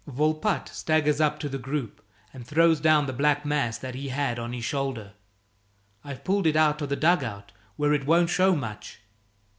Volpatte staggers up to the group and throws down the black mass that he had on his shoulder. "I've pulled it out of a dug out where it won't show much."